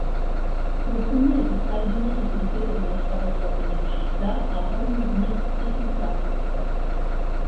მორწმუნეები საიდუმლოდ იკრიბებოდნენ სხვადასხვა ბინებში და აღავლენდნენ ღვთისმსახურებას.